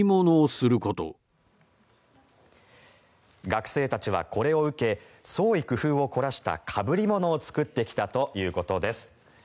学生たちはこれを受け創意工夫を凝らしたかぶり物を作ってきたということです。